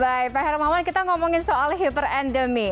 baik pak hermawan kita ngomongin soal hiperendemi